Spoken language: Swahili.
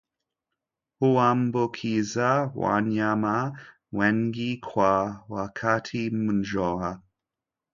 huambukiza wanyama wengi kwa wakati mmoja